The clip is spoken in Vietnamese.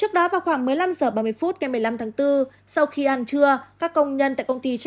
trước đó vào khoảng một mươi năm h ba mươi phút ngày một mươi năm tháng bốn sau khi ăn trưa các công nhân tại công ty trách nhiệm